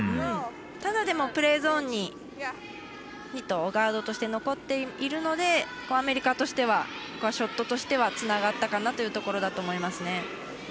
ただ、プレーゾーンにヒット、ガードとして残っているのでアメリカとしてはショットしてはつながったかなというところだと思いますね。